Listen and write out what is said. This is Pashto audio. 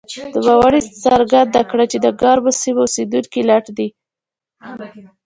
نوموړي څرګنده کړه چې د ګرمو سیمو اوسېدونکي لټ دي.